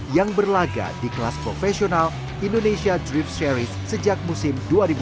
yang berlaga di kelas profesional indonesia drift series sejak musim dua ribu tujuh belas